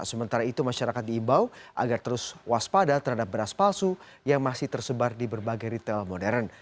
sementara itu masyarakat diimbau agar terus waspada terhadap beras palsu yang masih tersebar di berbagai retail modern